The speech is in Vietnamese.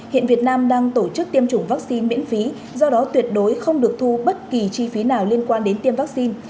hiện việt nam đang tổ chức tiêm chủng vaccine miễn phí do đó tuyệt đối không được thu bất kỳ chi phí nào liên quan đến tiêm vaccine